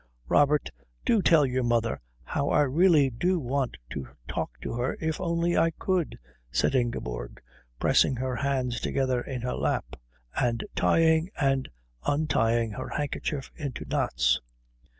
"Robert do tell your mother how I really do want to talk to her if only I could," said Ingeborg, pressing her hands together in her lap and tying and untying her handkerchief into knots.